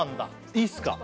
いいっすか？